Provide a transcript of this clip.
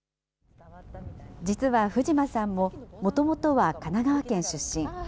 実は藤間さんも、もともとは神奈川県出身。